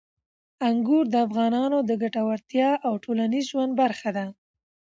انګور د افغانانو د ګټورتیا او ټولنیز ژوند برخه ده.